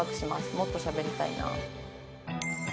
「もっとしゃべりたいな」